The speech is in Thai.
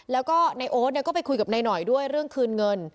แล้วก็ในโอ๊ตก็ไปคุยกับนายหน่อยด้วยเรื่องคืนเงิน